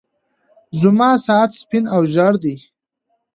زما ساعت سپين او ژړ دی.